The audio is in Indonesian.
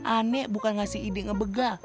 aneh bukan ngasih ide ngebega